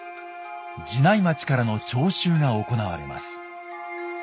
寺内町からの徴収が行われます。